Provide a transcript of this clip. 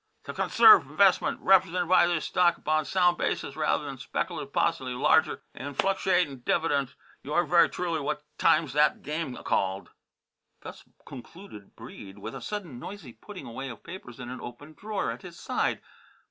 " to c'nserve investment rep'sented by this stock upon sound basis rather than th' spec'lative policy of larger an' fluc'chating div'dends yours ver' truly what time's 'at game called?" Thus concluded Breede, with a sudden noisy putting away of papers in an open drawer at his side.